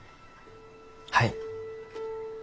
はい。